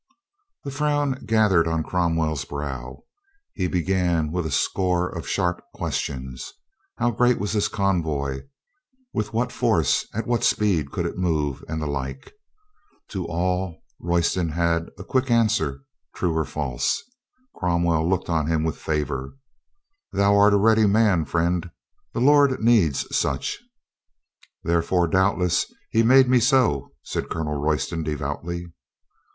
The frown gathered on Cromwell's brow. He began with a score of sharp questions. How great was this convoy? with what force? at what speed could it move? and the like. To all Royston had a quick answer, true or false. Cromwell looked on him with favor. "Thou art a ready man, friend. The Lord needs such." "Therefore, doubtless, He made me so," said Colonel Royston devoutly.